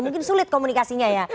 mungkin sulit komunikasinya ya